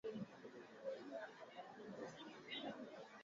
Hatua za kufuata kutengeneza juisi